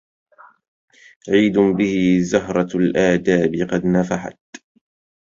عيد به زهرة الآداب قد نفحت